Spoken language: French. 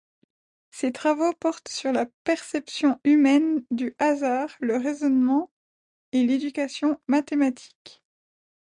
Ses travaux portent sur la perception humaine du hasard, le raisonnement et l'éducation mathématique.